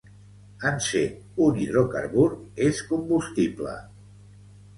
En ser un hidrocarbur, és combustible.